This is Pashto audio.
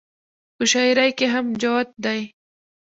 پۀ شاعرۍ کښې هم جوت دے -